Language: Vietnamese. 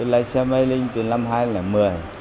lái xe bay lên từ năm hai nghìn một mươi